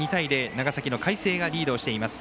長崎の海星がリードしています。